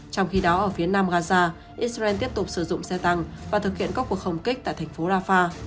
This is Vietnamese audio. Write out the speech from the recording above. trong khi đó ở phía nam gaza israel tiếp tục sử dụng xe tăng và thực hiện các cuộc không kích tại thành phố rafah